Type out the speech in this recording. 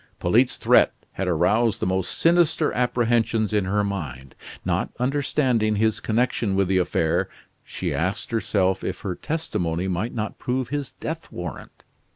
Polyte's threat had aroused the most sinister apprehensions in her mind. Not understanding his connection with the affair, she asked herself if her testimony might not prove his death warrant.